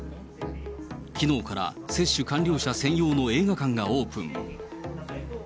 きのうから接種完了者専用の映画館がオープン。